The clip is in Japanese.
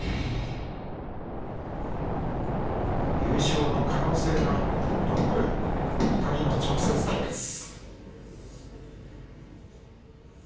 優勝の可能性が残る２人の直接対決。